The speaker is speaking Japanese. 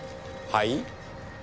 はい？